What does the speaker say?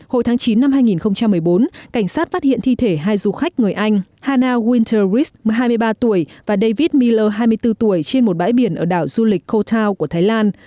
hồi tháng chín năm hai nghìn một mươi bốn cảnh sát phát hiện thi thể hai du khách người anh hana winter ris hai mươi ba tuổi và david miller hai mươi bốn tuổi trên một bãi biển ở đảo du lịch cotow của thái lan